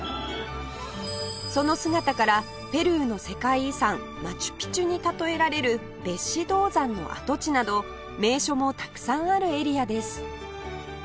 その姿からペルーの世界遺産マチュピチュに例えられる別子銅山の跡地など名所もたくさんあるエリアです